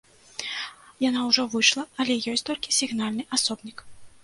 Яна ўжо выйшла, але ёсць толькі сігнальны асобнік.